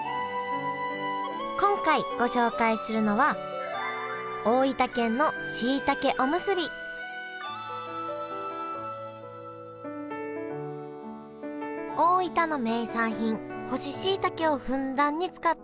今回ご紹介するのは大分の名産品干ししいたけをふんだんに使ったおむすび。